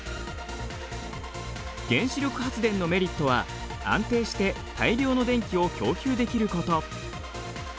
原子力発電のメリットは安定して大量の電気を供給できること。